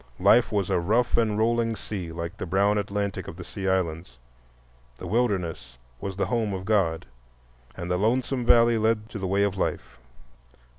Life was a "rough and rolling sea" like the brown Atlantic of the Sea Islands; the "Wilderness" was the home of God, and the "lonesome valley" led to the way of life.